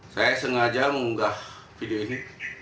saya sengaja mengunggah video ini